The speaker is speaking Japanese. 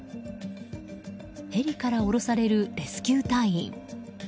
ヘリから下ろされるレスキュー隊員。